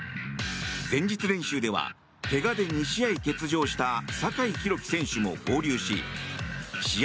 前日練習では怪我で２試合欠場した酒井宏樹選手も合流し試合